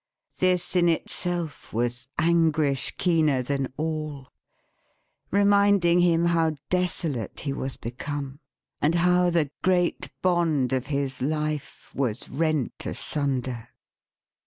This in itself was anguish keener than all: reminding him how desolate he was become, and how the great bond of his life was rent asunder.